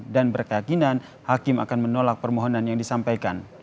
dan berkeyakinan hakim akan menolak permohonan yang disampaikan